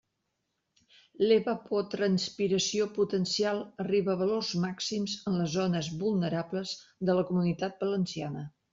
L'evapotranspiració potencial arriba a valors màxims en les zones vulnerables de la Comunitat Valenciana.